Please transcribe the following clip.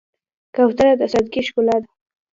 کوتره د سادګۍ ښکلا ده.